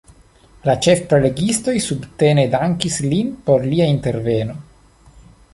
La ĉefprelegistoj subtene dankis lin por lia interveno.